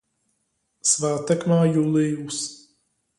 Svátek má Julius.